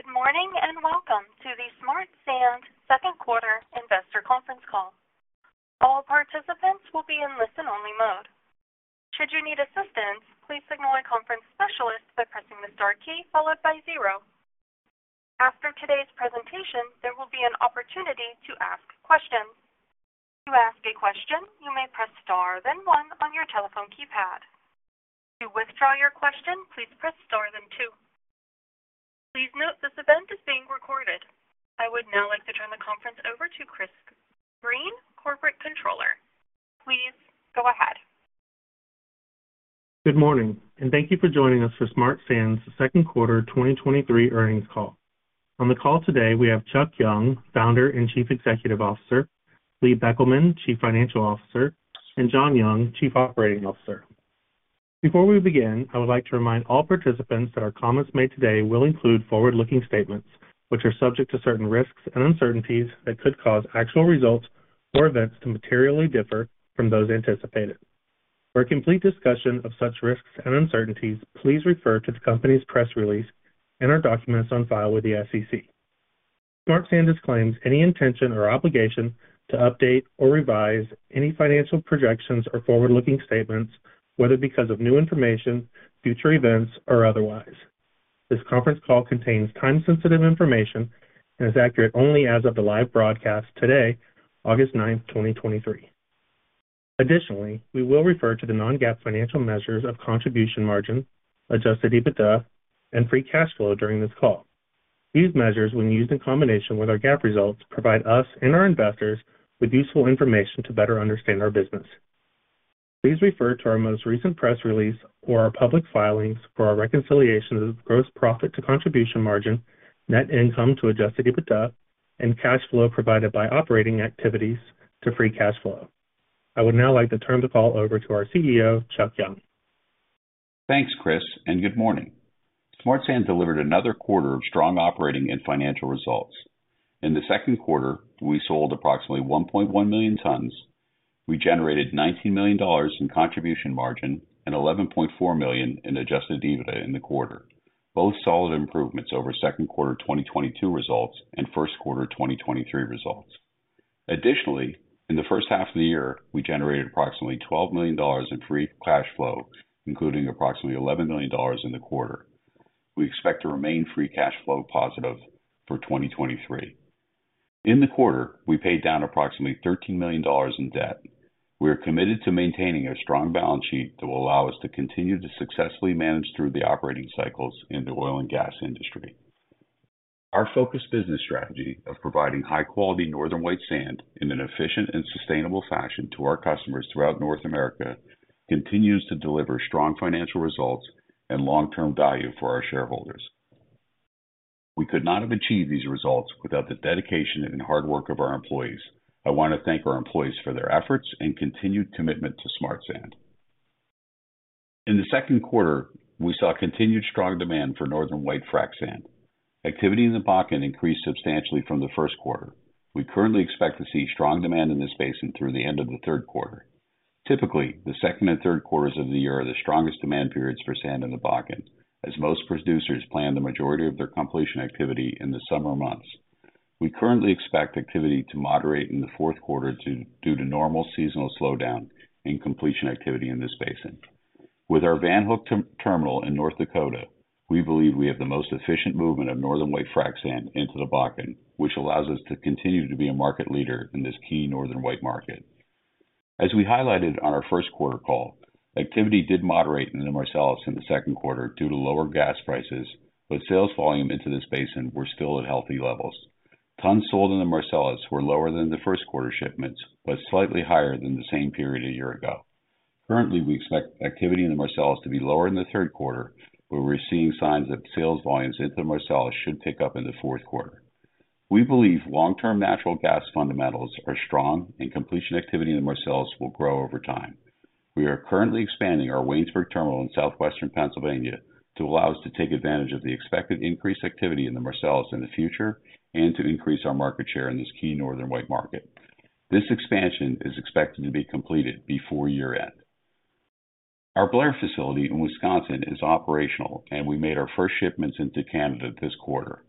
Good morning, and welcome to the Smart Sand second quarter investor conference call. All participants will be in listen-only mode. Should you need assistance, please signal a conference specialist by pressing the star key followed by zero. After today's presentation, there will be an opportunity to ask questions. To ask a question, you may press star then one on your telephone keypad. To withdraw your question, please press star then two. Please note this event is being recorded. I would now like to turn the conference over to Chris Green, Corporate Controller. Please go ahead. Good morning, and thank you for joining us for Smart Sand's second quarter 2023 earnings call. On the call today, we have Chuck Young, Founder and Chief Executive Officer, Lee Beckelman, Chief Financial Officer, and John Young, Chief Operating Officer. Before we begin, I would like to remind all participants that our comments made today will include forward-looking statements, which are subject to certain risks and uncertainties that could cause actual results or events to materially differ from those anticipated. For a complete discussion of such risks and uncertainties, please refer to the company's press release and our documents on file with the SEC. Smart Sand disclaims any intention or obligation to update or revise any financial projections or forward-looking statements, whether because of new information, future events, or otherwise. This conference call contains time-sensitive information and is accurate only as of the live broadcast today, August 9th, 2023. Additionally, we will refer to the non-GAAP financial measures of contribution margin, adjusted EBITDA, and free cash flow during this call. These measures, when used in combination with our GAAP results, provide us and our investors with useful information to better understand our business. Please refer to our most recent press release or our public filings for our reconciliation of gross profit to contribution margin, net income to adjusted EBITDA, and cash flow provided by operating activities to free cash flow. I would now like to turn the call over to our CEO, Chuck Young. Thanks, Chris. Good morning. Smart Sand delivered another quarter of strong operating and financial results. In the second quarter, we sold approximately 1.1 million tons. We generated $19 million in contribution margin and $11.4 million in adjusted EBITDA in the quarter, both solid improvements over second quarter 2022 results and first quarter 2023 results. In the first half of the year, we generated approximately $12 million in free cash flow, including approximately $11 million in the quarter. We expect to remain free cash flow positive for 2023. In the quarter, we paid down approximately $13 million in debt. We are committed to maintaining a strong balance sheet that will allow us to continue to successfully manage through the operating cycles in the oil and gas industry. Our focused business strategy of providing high-quality Northern White sand in an efficient and sustainable fashion to our customers throughout North America continues to deliver strong financial results and long-term value for our shareholders. We could not have achieved these results without the dedication and hard work of our employees. I want to thank our employees for their efforts and continued commitment to Smart Sand. In the second quarter, we saw continued strong demand for Northern White frac sand. Activity in the Bakken increased substantially from the first quarter. We currently expect to see strong demand in this basin through the end of the third quarter. Typically, the second and third quarters of the year are the strongest demand periods for sand in the Bakken, as most producers plan the majority of their completion activity in the summer months. We currently expect activity to moderate in the fourth quarter due to normal seasonal slowdown in completion activity in this basin. With our Van Hook Terminal in North Dakota, we believe we have the most efficient movement of Northern White frac sand into the Bakken, which allows us to continue to be a market leader in this key Northern White market. As we highlighted on our first quarter call, activity did moderate in the Marcellus in the second quarter due to lower gas prices, but sales volume into this basin were still at healthy levels. Tons sold in the Marcellus were lower than the first quarter shipments, but slightly higher than the same period a year ago. Currently, we expect activity in the Marcellus to be lower in the third quarter, but we're seeing signs that sales volumes into the Marcellus should pick up in the fourth quarter. We believe long-term natural gas fundamentals are strong, and completion activity in the Marcellus will grow over time. We are currently expanding our Waynesburg terminal in southwestern Pennsylvania to allow us to take advantage of the expected increased activity in the Marcellus in the future and to increase our market share in this key Northern White market. This expansion is expected to be completed before year-end. Our Blair facility in Wisconsin is operational, and we made our first shipments into Canada this quarter.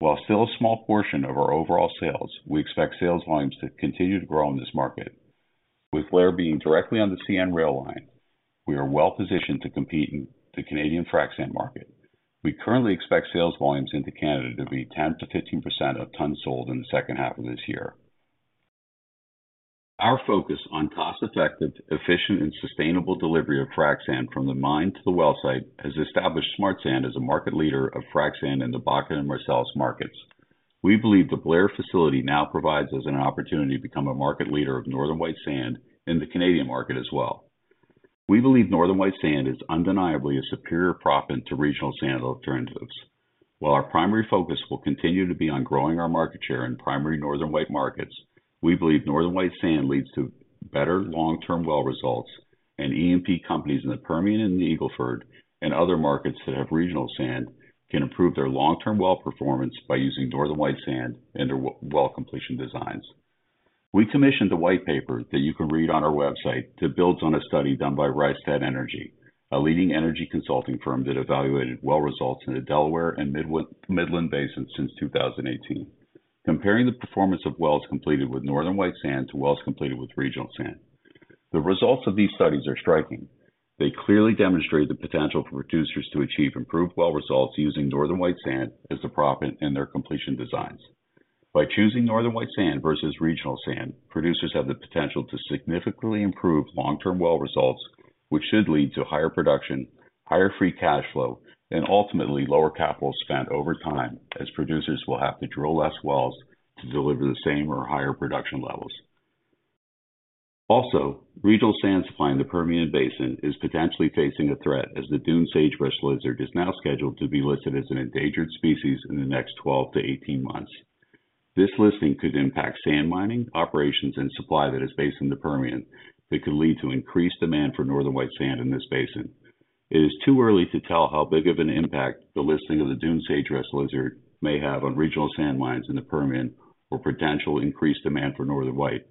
While still a small portion of our overall sales, we expect sales volumes to continue to grow in this market. With Blair being directly on the CN rail line, we are well positioned to compete in the Canadian frac sand market. We currently expect sales volumes into Canada to be 10%-15% of tons sold in the second half of this year. Our focus on cost-effective, efficient, and sustainable delivery of frac sand from the mine to the well site has established Smart Sand as a market leader of frac sand in the Bakken and Marcellus markets. We believe the Blair facility now provides us an opportunity to become a market leader of Northern White sand in the Canadian market as well. We believe Northern White sand is undeniably a superior proppant to regional sand alternatives. While our primary focus will continue to be on growing our market share in primary Northern White markets, we believe Northern White sand leads to better long-term well results, and E&P companies in the Permian and the Eagle Ford and other markets that have regional sand can improve their long-term well performance by using Northern White sand in their well completion designs. We commissioned a white paper that you can read on our website that builds on a study done by Rystad Energy, a leading energy consulting firm that evaluated well results in the Delaware and Midland Basin since 2018, comparing the performance of wells completed with Northern White Sand to wells completed with regional sand. The results of these studies are striking. They clearly demonstrate the potential for producers to achieve improved well results using Northern White Sand as the proppant in their completion designs. By choosing Northern White Sand versus regional sand, producers have the potential to significantly improve long-term well results, which should lead to higher production, higher free cash flow, and ultimately lower capital spent over time, as producers will have to drill less wells to deliver the same or higher production levels. Also, regional sand supply in the Permian Basin is potentially facing a threat, as the dunes sagebrush lizard is now scheduled to be listed as an endangered species in the next 12-18 months. This listing could impact sand mining operations and supply that is based in the Permian, that could lead to increased demand for Northern White Sand in this basin. It is too early to tell how big of an impact the listing of the dunes sagebrush lizard may have on regional sand mines in the Permian or potential increased demand for Northern White,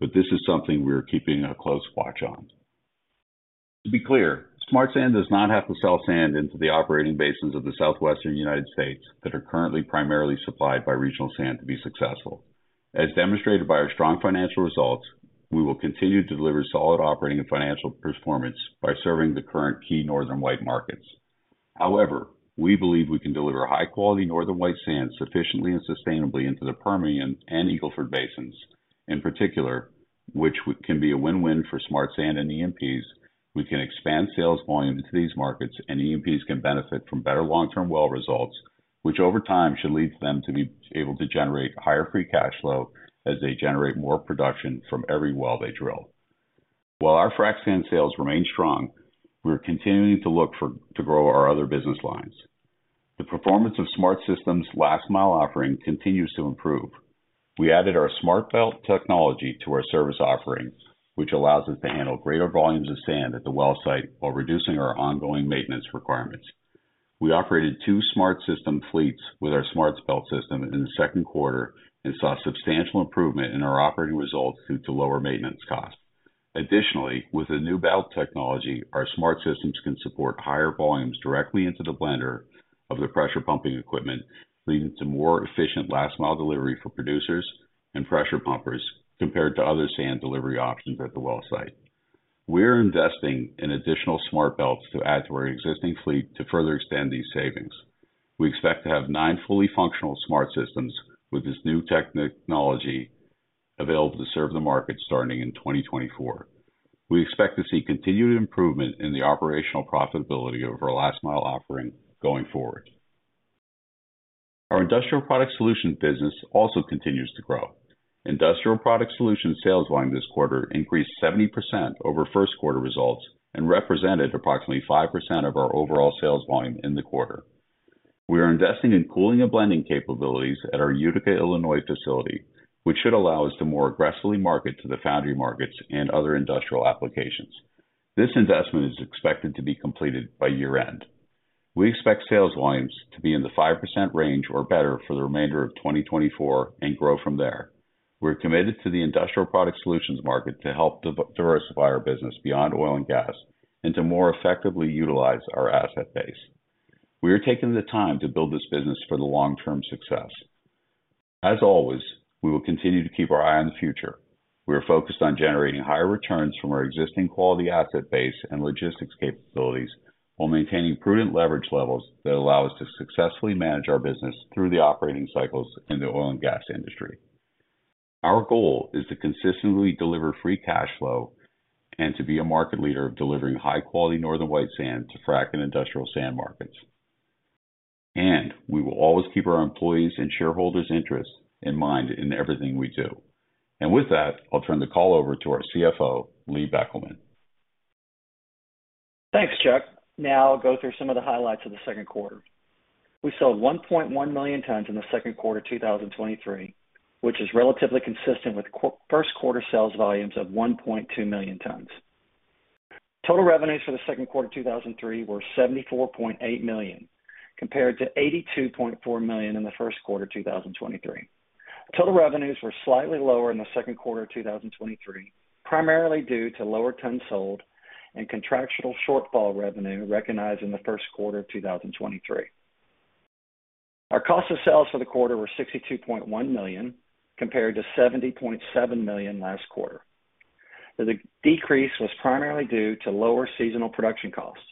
but this is something we are keeping a close watch on. To be clear, Smart Sand does not have to sell sand into the operating basins of the southwestern United States that are currently primarily supplied by regional sand to be successful. As demonstrated by our strong financial results, we will continue to deliver solid operating and financial performance by serving the current key Northern White markets. However, we believe we can deliver high-quality Northern White Sand sufficiently and sustainably into the Permian and Eagle Ford basins, in particular, which can be a win-win for Smart Sand and E&Ps. We can expand sales volume into these markets, and E&Ps can benefit from better long-term well results, which over time should lead to them to be able to generate higher free cash flow as they generate more production from every well they drill. While our frac sand sales remain strong, we're continuing to look for, to grow our other business lines. The performance of SmartSystem's last mile offering continues to improve. We added our SmartBelt technology to our service offerings, which allows us to handle greater volumes of sand at the well site while reducing our ongoing maintenance requirements. We operated two SmartSystem fleets with our SmartBelt system in the second quarter and saw substantial improvement in our operating results due to lower maintenance costs. Additionally, with the new belt technology, our SmartSystems can support higher volumes directly into the blender of the pressure pumping equipment, leading to more efficient last mile delivery for producers and pressure pumpers compared to other sand delivery options at the well site. We're investing in additional SmartBelts to add to our existing fleet to further extend these savings. We expect to have nine fully functional SmartSystems with this new technology available to serve the market starting in 2024. We expect to see continued improvement in the operational profitability of our last mile offering going forward. Our Industrial Product Solution business also continues to grow. Industrial Product Solution sales volume this quarter increased 70% over first quarter results and represented approximately 5% of our overall sales volume in the quarter. We are investing in cooling and blending capabilities at our Utica, Illinois, facility, which should allow us to more aggressively market to the foundry markets and other industrial applications. This investment is expected to be completed by year-end. We expect sales volumes to be in the 5% range or better for the remainder of 2024 and grow from there. We're committed to the Industrial Product Solutions market to help diversify our business beyond oil and gas and to more effectively utilize our asset base. We are taking the time to build this business for the long-term success. As always, we will continue to keep our eye on the future. We are focused on generating higher returns from our existing quality asset base and logistics capabilities, while maintaining prudent leverage levels that allow us to successfully manage our business through the operating cycles in the oil and gas industry. Our goal is to consistently deliver free cash flow and to be a market leader of delivering high-quality Northern White sand to frac and industrial sand markets. We will always keep our employees' and shareholders' interests in mind in everything we do. With that, I'll turn the call over to our CFO, Lee Beckelman. Thanks, Chuck. Now I'll go through some of the highlights of the second quarter. We sold 1.1 million tons in the second quarter of 2023, which is relatively consistent with first quarter sales volumes of 1.2 million tons. Total revenues for the second quarter of 2023 were $74.8 million, compared to $82.4 million in the first quarter of 2023. Total revenues were slightly lower in the second quarter of 2023, primarily due to lower tons sold and contractual shortfall revenue recognized in the first quarter of 2023. Our cost of sales for the quarter were $62.1 million, compared to $70.7 million last quarter. The decrease was primarily due to lower seasonal production costs.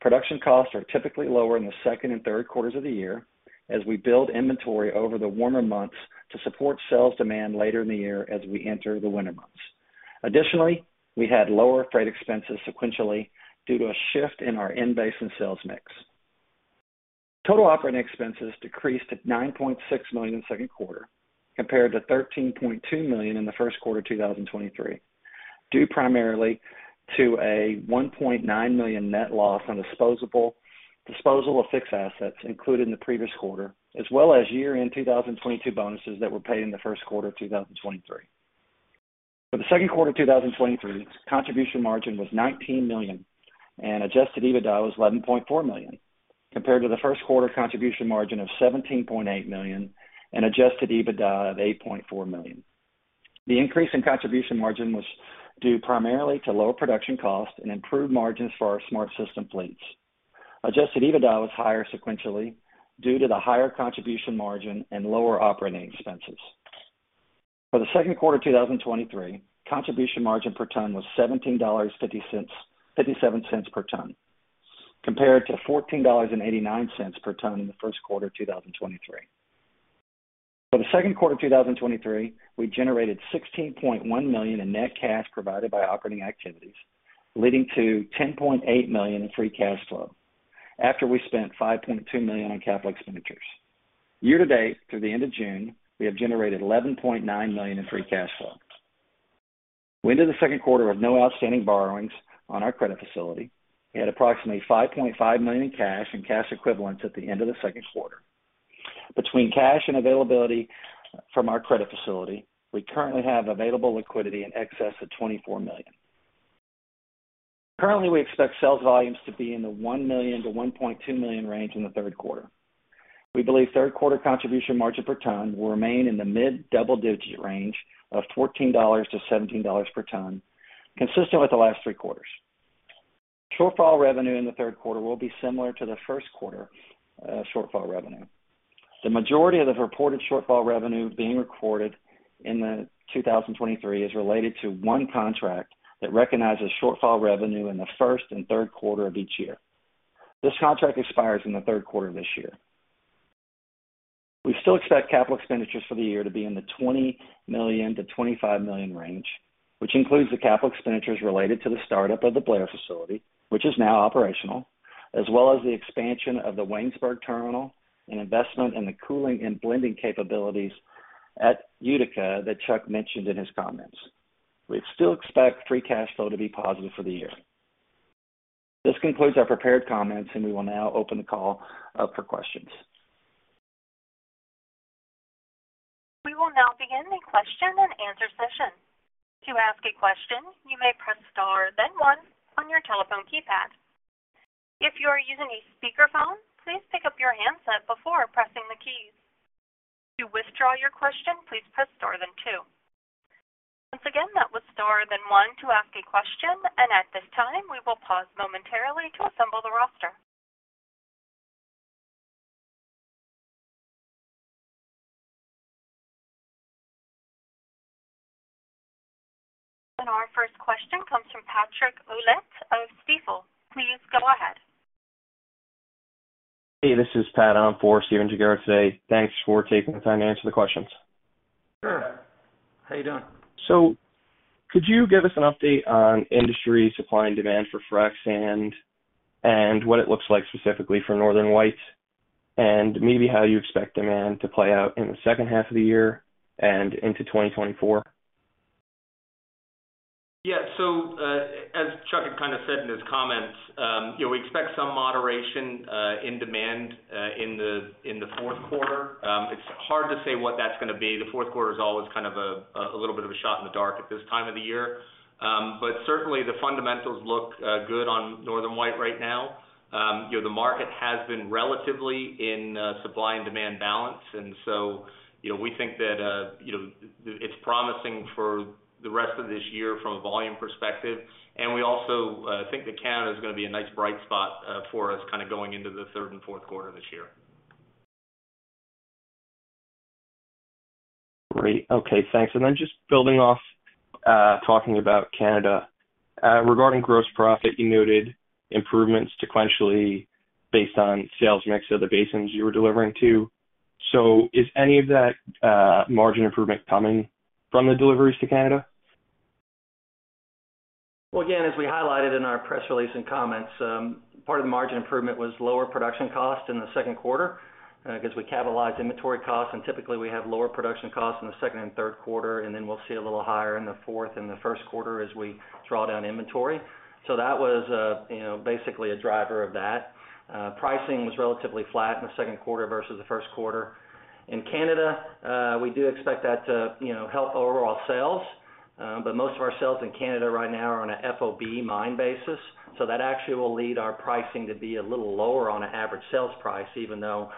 Production costs are typically lower in the second and third quarters of the year as we build inventory over the warmer months to support sales demand later in the year as we enter the winter months. Additionally, we had lower freight expenses sequentially due to a shift in our in-basin sales mix. Total operating expenses decreased to $9.6 million in the second quarter, compared to $13.2 million in the first quarter of 2023, due primarily to a $1.9 million net loss on disposal of fixed assets included in the previous quarter, as well as year-end 2022 bonuses that were paid in the first quarter of 2023. For the second quarter of 2023, contribution margin was $19 million, and adjusted EBITDA was $11.4 million, compared to the first quarter contribution margin of $17.8 million and adjusted EBITDA of $8.4 million. The increase in contribution margin was due primarily to lower production costs and improved margins for our SmartSystem fleets. Adjusted EBITDA was higher sequentially due to the higher contribution margin and lower operating expenses. For the second quarter 2023, contribution margin per ton was $17.57 per ton, compared to $14.89 per ton in the first quarter 2023. For the second quarter of 2023, we generated $16.1 million in net cash provided by operating activities, leading to $10.8 million in free cash flow after we spent $5.2 million on capital expenditures. Year to date, through the end of June, we have generated $11.9 million in free cash flow. We ended the second quarter of no outstanding borrowings on our credit facility. We had approximately $5.5 million in cash and cash equivalents at the end of the second quarter. Between cash and availability from our credit facility, we currently have available liquidity in excess of $24 million. Currently, we expect sales volumes to be in the $1 million-$1.2 million range in the third quarter. We believe third quarter contribution margin per ton will remain in the mid-double digit range of $14-$17 per ton, consistent with the last three quarters. Shortfall revenue in the third quarter will be similar to the first quarter shortfall revenue. The majority of the reported shortfall revenue being recorded in 2023 is related to 1 contract that recognizes shortfall revenue in the first and third quarter of each year. This contract expires in the third quarter of this year. We still expect capital expenditures for the year to be in the $20 million-$25 million range, which includes the capital expenditures related to the startup of the Blair facility, which is now operational, as well as the expansion of the Waynesburg terminal and investment in the cooling and blending capabilities at Utica that Chuck mentioned in his comments. We still expect free cash flow to be positive for the year. This concludes our prepared comments, and we will now open the call up for questions. We will now begin the question and answer session. To ask a question, you may press star then one on your telephone keypad. If you are using a speakerphone, please pick up your handset before pressing the keys. To withdraw your question, please press star then two. Once again, that was star then one to ask a question, and at this time, we will pause momentarily to assemble the roster. Our first question comes from Patrick Ouellette of Stifel. Please go ahead. Hey, this is Pat. I'm for Stephen Gengaro today. Thanks for taking the time to answer the questions. Sure. How are you doing? Could you give us an update on industry supply and demand for frac sand and, and what it looks like specifically for Northern White, and maybe how you expect demand to play out in the second half of the year and into 2024? Yeah. As Chuck had kind of said in his comments, you know, we expect some moderation in demand in the fourth quarter. It's hard to say what that's gonna be. The fourth quarter is always kind of a little bit of a shot in the dark at this time of the year. Certainly the fundamentals look good on Northern White right now. You know, the market has been relatively in supply and demand balance, you know, we think that, you know, it's promising for the rest of this year from a volume perspective. We also think that Canada is gonna be a nice bright spot for us, kind of going into the third and fourth quarter of this year. Great. Okay, thanks. Just building off, talking about Canada. Regarding gross profit, you noted improvements sequentially based on sales mix of the basins you were delivering to. Is any of that, margin improvement coming from the deliveries to Canada? Well, again, as we highlighted in our press release and comments, part of the margin improvement was lower production cost in the second quarter, because we capitalized inventory costs, and typically we have lower production costs in the second and third quarter, and then we'll see a little higher in the fourth and the first quarter as we draw down inventory. That was, you know, basically a driver of that. Pricing was relatively flat in the second quarter versus the first quarter. In Canada, we do expect that to, you know, help overall sales, but most of our sales in Canada right now are on a FOB mine basis, so that actually will lead our pricing to be a little lower on an average sales price, even though,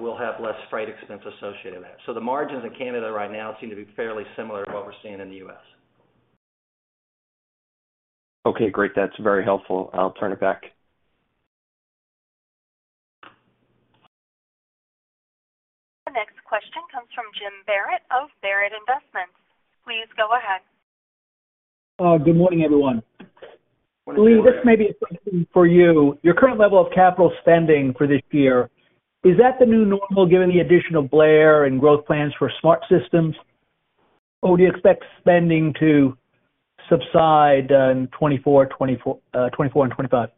we'll have less freight expense associated with that. The margins in Canada right now seem to be fairly similar to what we're seeing in the U.S. Okay, great. That's very helpful. I'll turn it back. The next question comes from Jim Barrett of Barrett Investments. Please go ahead. Good morning, everyone. Good morning. Lee, this may be a question for you. Your current level of capital spending for this year, is that the new normal, given the addition of Blair and growth plans for SmartSystem, or do you expect spending to subside in 2024 and 2025?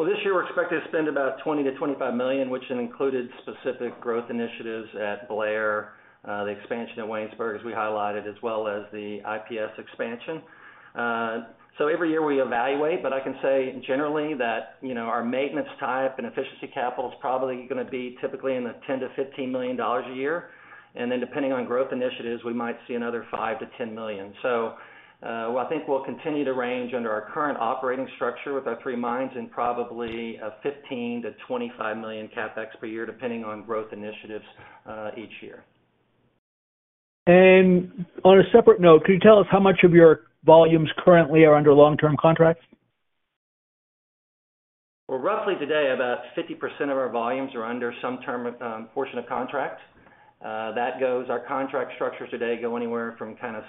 Well, this year we're expected to spend about $20 million-$25 million, which included specific growth initiatives at Blair, the expansion at Waynesburg, as we highlighted, as well as the IPS expansion. Every year we evaluate, but I can say generally that, you know, our maintenance type and efficiency capital is probably gonna be typically in the $10 million-$15 million a year. Depending on growth initiatives, we might see another $5 million-$10 million. Well, I think we'll continue to range under our current operating structure with our three mines and probably a $15 million-$25 million CapEx per year, depending on growth initiatives each year. On a separate note, could you tell us how much of your volumes currently are under long-term contracts? Well, roughly today, about 50% of our volumes are under some term portion of contracts. That goes, our contract structures today go anywhere from kind of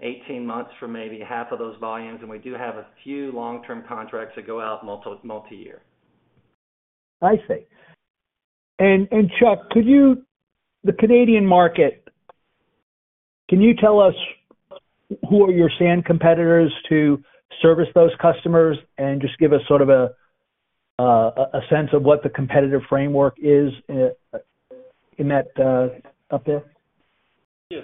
6-18 months for maybe half of those volumes, and we do have a few long-term contracts that go out multi-year. I see. Chuck, the Canadian market, can you tell us who are your sand competitors to service those customers? Just give us sort of a sense of what the competitive framework is in that up there. Yeah.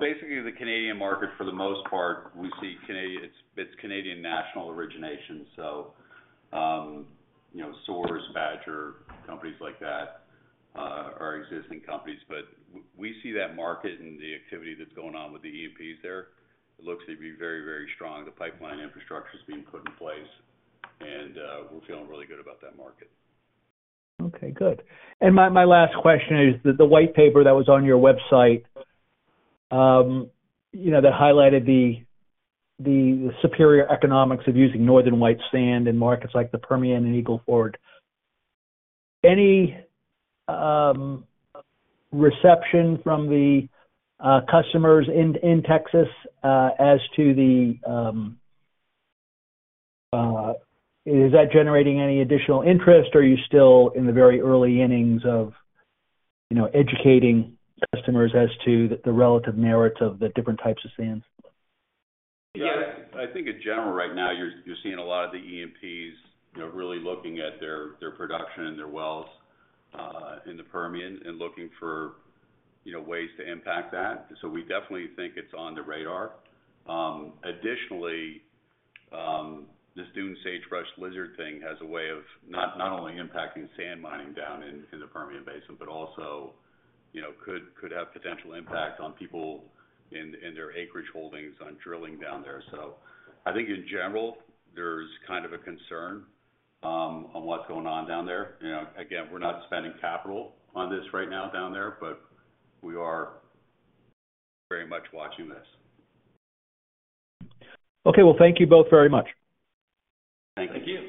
Basically, the Canadian market, for the most part, we see Canadian-- it's Canadian National origination. You know, Source, Badger, companies like that, are existing companies. We see that market and the activity that's going on with the E&Ps there, it looks to be very, very strong. The pipeline infrastructure is being put in place, and we're feeling really good about that market. Okay, good. My, my last question is the, the white paper that was on your website, you know, that highlighted the, the superior economics of using Northern White sand in markets like the Permian and Eagle Ford. Any reception from the customers in, in Texas, as to the, is that generating any additional interest, or are you still in the very early innings of, you know, educating customers as to the relative merits of the different types of sands? Yeah, I think in general, right now, you're, you're seeing a lot of the E&Ps, you know, really looking at their, their production and their wells, in the Permian, and looking for, you know, ways to impact that. We definitely think it's on the radar. Additionally, this dunes sagebrush lizard thing has a way of not, not only impacting sand mining down in, in the Permian Basin, but also, you know, could, could have potential impact on people in, in their acreage holdings on drilling down there. I think in general, there's kind of a concern on what's going on down there. You know, again, we're not spending capital on this right now down there, but we are very much watching this. Okay. Well, thank you both very much. Thank you. Thank you.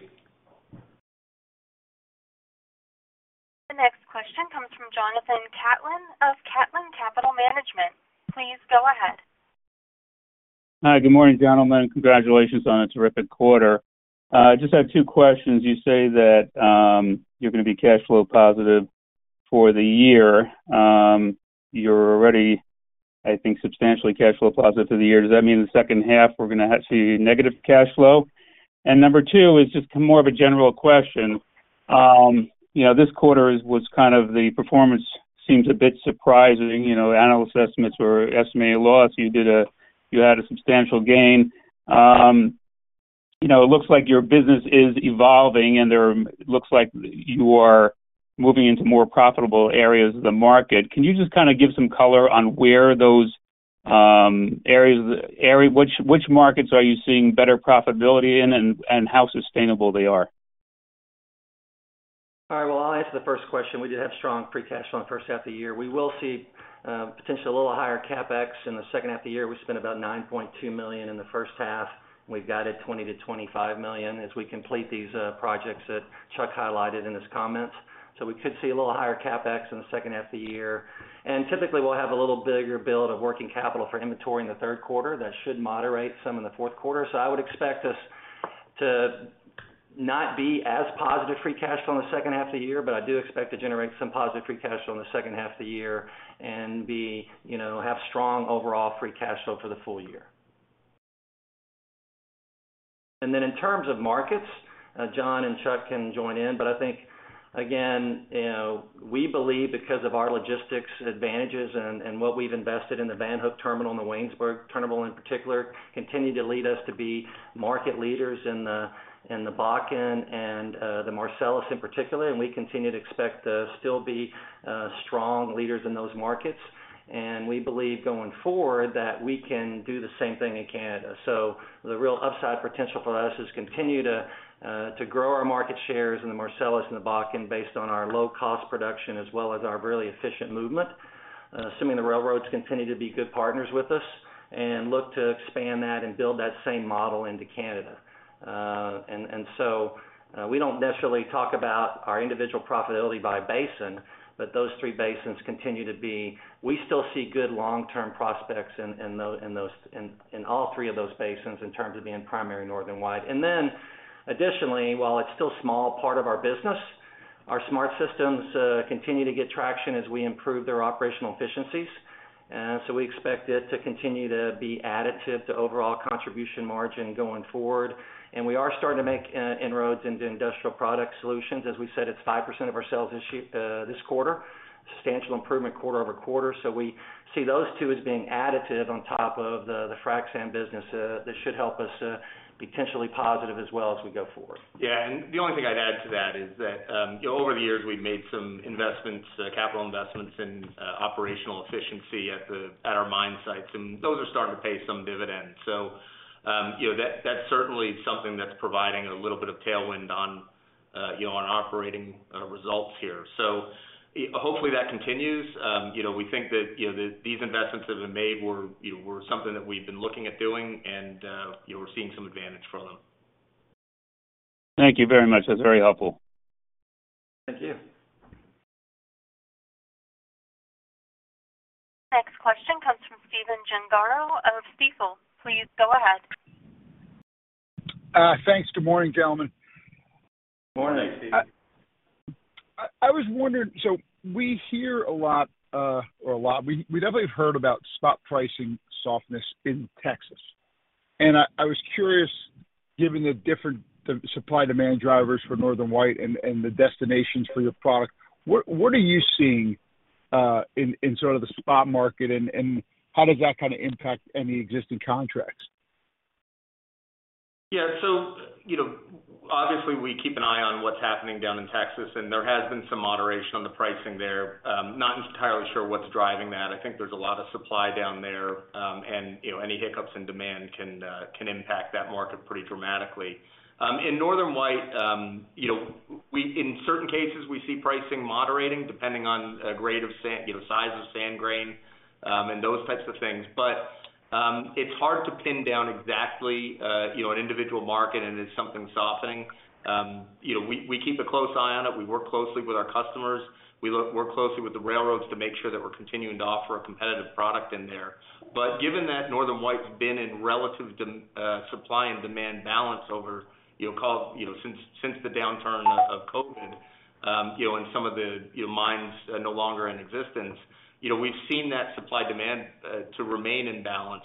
The next question comes from Jonathan Catlin of Catlin Capital Management. Please go ahead. Hi, good morning, gentlemen. Congratulations on a terrific quarter. I just have two questions. You say that, you're gonna be cash flow positive for the year. You're already, I think, substantially cash flow positive for the year. Does that mean in the second half, we're gonna have to see negative cash flow? Number two is just more of a general question. You know, this quarter is, was kind of the performance seems a bit surprising. You know, annual assessments were estimated a loss. You did you had a substantial gain. You know, it looks like your business is evolving and Looks like you are moving into more profitable areas of the market. Can you just kind of give some color on where those, which, which markets are you seeing better profitability in and, and how sustainable they are? All right. Well, I'll answer the first question. We did have strong free cash flow in the first half of the year. We will see, potentially a little higher CapEx in the second half of the year. We spent about $9.2 million in the first half. We've guided $20 million-$25 million as we complete these projects that Chuck highlighted in his comments. We could see a little higher CapEx in the second half of the year. Typically, we'll have a little bigger build of working capital for inventory in the third quarter. That should moderate some in the fourth quarter. I would expect us to not be as positive free cash flow in the second half of the year, but I do expect to generate some positive free cash flow in the second half of the year and be, you know, have strong overall free cash flow for the full year. Then in terms of markets, John and Chuck can join in, but I think, again, you know, we believe because of our logistics advantages and, and what we've invested in the Van Hook Terminal and the Waynesburg terminal in particular, continue to lead us to be market leaders in the, in the Bakken and the Marcellus in particular. And we continue to expect to still be strong leaders in those markets. And we believe going forward, that we can do the same thing in Canada. The real upside potential for us is continue to grow our market shares in the Marcellus and the Bakken, based on our low-cost production, as well as our really efficient movement, assuming the railroads continue to be good partners with us, and look to expand that and build that same model into Canada. We don't necessarily talk about our individual profitability by basin, but those three basins continue to be. We still see good long-term prospects in all three of those basins in terms of being primary Northern White. Additionally, while it's still a small part of our business, our SmartSystems continue to get traction as we improve their operational efficiencies. We expect it to continue to be additive to overall contribution margin going forward. We are starting to make inroads into Industrial Product Solutions. As we said, it's 5% of our sales this year, this quarter. Substantial improvement quarter-over-quarter. We see those two as being additive on top of the frac sand business that should help us potentially positive as well as we go forward. Yeah, the only thing I'd add to that is that, you know, over the years, we've made some investments, capital investments in operational efficiency at our mine sites, and those are starting to pay some dividends. You know, that, that's certainly something that's providing a little bit of tailwind on, you know, on operating results here. Hopefully, that continues. You know, we think that, you know, these investments that have been made were, you know, were something that we've been looking at doing and we're seeing some advantage from them. Thank you very much. That's very helpful. Thank you. Next question comes from Stephen Gengaro of Stifel. Please go ahead. Thanks. Good morning, gentlemen. Morning, Stephen. I was wondering, We hear a lot. We definitely have heard about spot pricing softness in Texas. I was curious, given the different, the supply-demand drivers for Northern White and the destinations for your product, what are you seeing in sort of the spot market, and how does that kinda impact any existing contracts? Yeah. You know, obviously, we keep an eye on what's happening down in Texas, and there has been some moderation on the pricing there. Not entirely sure what's driving that. I think there's a lot of supply down there, and, you know, any hiccups in demand can impact that market pretty dramatically. In Northern White, you know, in certain cases, we see pricing moderating, depending on a grade of sand, you know, size of sand grain, and those types of things. It's hard to pin down exactly, you know, an individual market, and it's something softening. You know, we, we keep a close eye on it. We work closely with our customers. We work closely with the railroads to make sure that we're continuing to offer a competitive product in there. Given that Northern White's been in relative supply and demand balance over, you know, call, you know, since, since the downturn of COVID, you know, and some of the, you know, mines are no longer in existence, you know, we've seen that supply-demand to remain in balance.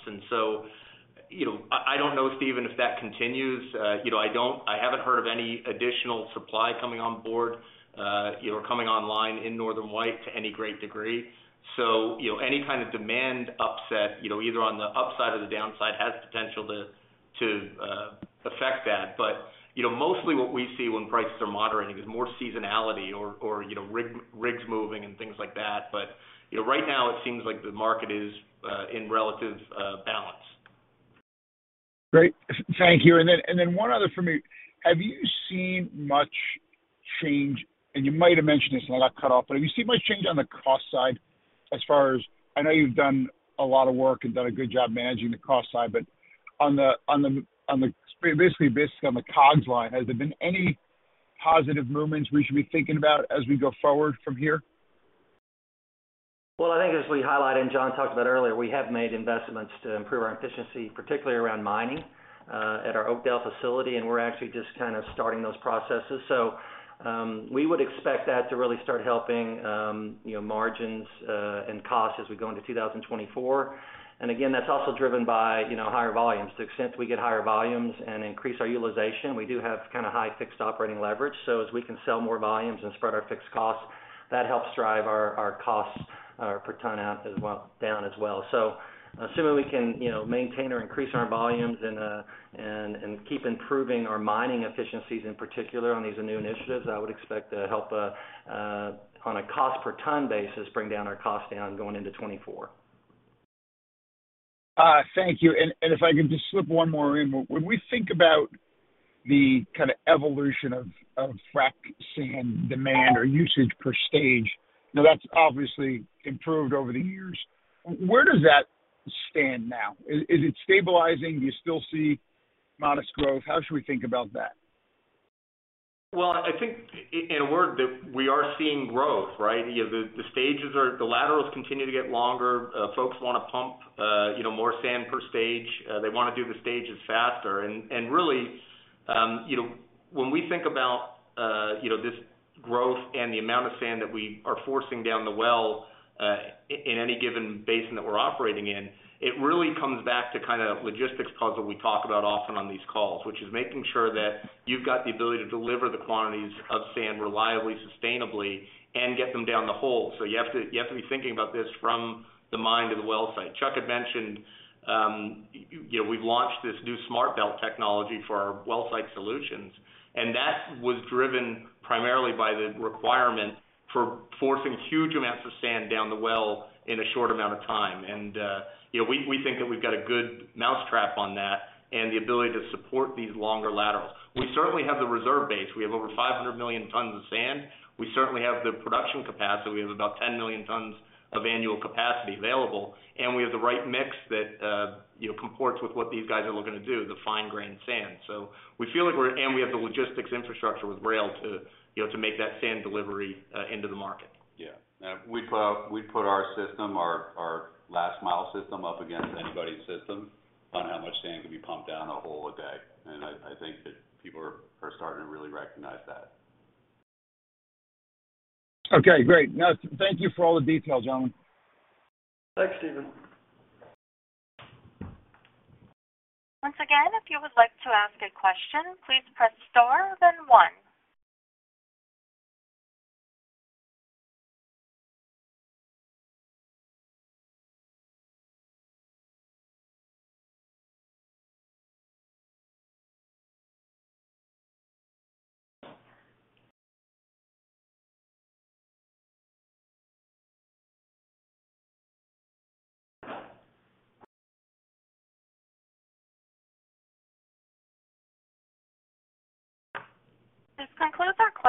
You know, I, I don't know, Stephen, if that continues. You know, I don't-- I haven't heard of any additional supply coming on board, you know, or coming online in Northern White to any great degree. You know, any kind of demand upset, you know, either on the upside or the downside, has potential to, to affect that. You know, mostly what we see when prices are moderating is more seasonality or, or, you know, rig, rigs moving and things like that. You know, right now, it seems like the market is in relative balance. Great. Thank you. And then one other for me. Have you seen much change, and you might have mentioned this and I got cut off, but have you seen much change on the cost side as far as... I know you've done a lot of work and done a good job managing the cost side, but on the COGS line, has there been any positive movements we should be thinking about as we go forward from here? Well, I think as we highlighted, and John talked about earlier, we have made investments to improve our efficiency, particularly around mining, at our Oakdale facility, and we're actually just kind of starting those processes. We would expect that to really start helping, you know, margins, and costs as we go into 2024. Again, that's also driven by, you know, higher volumes. To the extent we get higher volumes and increase our utilization, we do have kinda high fixed operating leverage. As we can sell more volumes and spread our fixed costs, that helps drive our, our costs per ton out as well, down as well. Assuming we can, you know, maintain or increase our volumes and keep improving our mining efficiencies, in particular on these new initiatives, I would expect to help, on a cost per ton basis, bring down our cost down going into 2024. thank you. If I could just slip one more in. When we think about the kinda evolution of, of frac sand demand or usage per stage, now that's obviously improved over the years. Where does that stand now? Is, is it stabilizing? Do you still see modest growth? How should we think about that? Well, I think in a word, that we are seeing growth, right? You know, the stages are, the laterals continue to get longer. Folks wanna pump, you know, more sand per stage. They wanna do the stages faster. Really, you know, when we think about, you know, this growth and the amount of sand that we are forcing down the well, in any given basin that we're operating in, it really comes back to kinda logistics calls that we talk about often on these calls, which is making sure that you've got the ability to deliver the quantities of sand reliably, sustainably, and get them down the hole. You have to, you have to be thinking about this from the mine to the wellsite. Chuck had mentioned, you know, we've launched this new SmartBelt technology for our wellsite solutions. That was driven primarily by the requirement for forcing huge amounts of sand down the well in a short amount of time. You know, we, we think that we've got a good mousetrap on that and the ability to support these longer laterals. We certainly have the reserve base. We have over 500 million tons of sand. We certainly have the production capacity. We have about 10 million tons of annual capacity available, and we have the right mix that, you know, comports with what these guys are looking to do, the fine-grained sand. We have the logistics infrastructure with rail to, you know, to make that sand delivery into the market. Yeah. We put our, we put our system, our, our last-mile system, up against anybody's system on how much sand can be pumped down a hole a day. I, I think that people are, are starting to really recognize that. Okay, great. Now, thank you for all the details, gentlemen. Thanks, Stephen. Once again, if you would like to ask a question, please press star then one.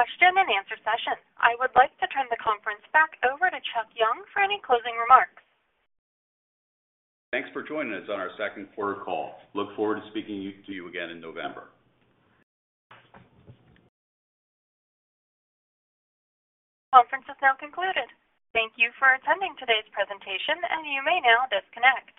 This concludes our question and answer session. I would like to turn the conference back over to Chuck Young for any closing remarks. Thanks for joining us on our second quarter call. Look forward to speaking you, to you again in November. Conference is now concluded. Thank you for attending today's presentation, and you may now disconnect.